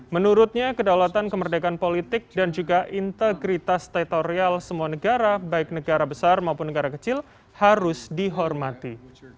menurutnya kedaulatan kemerdekaan politik dan juga integritas teritorial semua negara baik negara besar maupun negara kecil harus dihormati